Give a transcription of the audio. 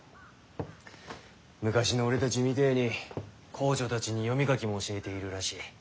昔の俺たちみてぇに工女たちに読み書きも教えているらしい。